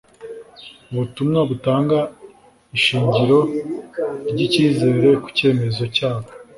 ubutumwa butanga ishingiro ry’icyizere ku cyemezo cyabo